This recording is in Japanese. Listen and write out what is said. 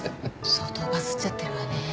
相当バズっちゃってるわね。